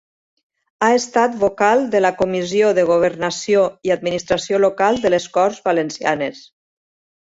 Ha estat vocal de la Comissió de Governació i Administració Local de les Corts Valencianes.